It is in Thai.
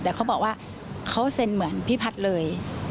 แต่เขาบอกว่าเขาเซ็นเหมือนพี่พัฒน์เลย